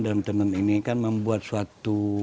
daun tenun ini kan membuat suatu